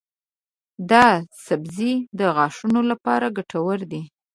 دا سبزی د غاښونو لپاره ګټور دی.